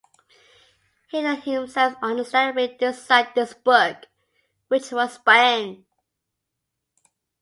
Hitler himself understandably disliked this book, which was banned.